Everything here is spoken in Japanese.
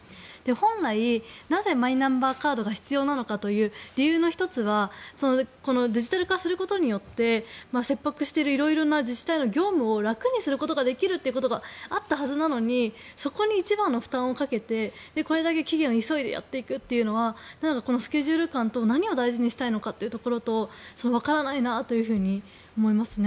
本来、なぜマイナンバーカードが必要なのかという理由の１つはデジタル化することによって切迫している色々な自治体の業務を楽にすることができるというのがあったはずなのにそこに一番の負担をかけてこれだけ期限を急いでやっていくというのはスケジュール感など何を大事にしたいのかわからないところがありますね。